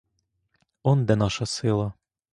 Он де наша сила!